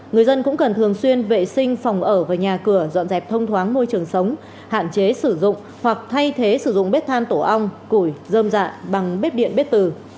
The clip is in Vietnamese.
người dân cũng cần thường xuyên vệ sinh phòng ở và nhà cửa dọn dẹp thông thoáng môi trường sống hạn chế sử dụng hoặc thay thế sử dụng bếp than tổ ong củi dơm dạ bằng bếp điện bếp tử